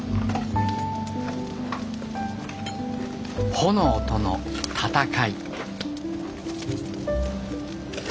炎との戦い。